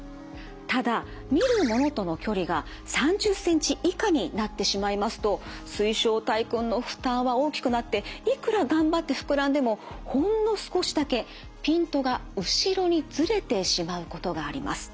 ただ見るものとの距離が３０センチ以下になってしまいますと水晶体くんの負担は大きくなっていくら頑張って膨らんでもほんの少しだけピントが後ろにずれてしまうことがあります。